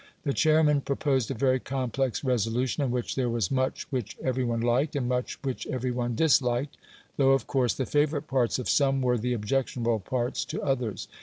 The chairman proposed a very complex resolution, in which there was much which every one liked, and much which every one disliked, though, of course, the favourite parts of some were the objectionable parts to others.